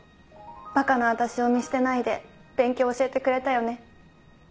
バカな私を見捨てないで勉強教えてくれたよね